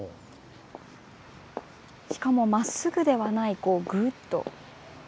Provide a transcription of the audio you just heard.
しかもまっすぐではないこうぐっと。